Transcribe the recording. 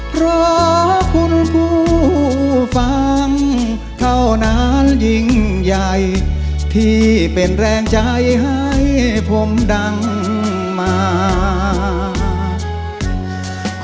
เพราะคุณผู้ฟังเท่านั้นยิ่งใหญ่ที่เป็นแรงใจให้ผมดังมาก